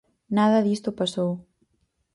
Nada disto pasou.